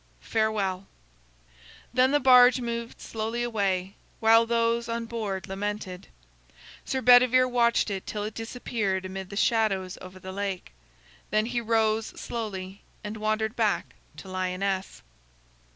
Farewell!" Then the barge moved slowly away, while those on board lamented. Sir Bedivere watched it till it disappeared amid the shadows over the lake. Then he rose slowly and wandered back to Lyonnesse.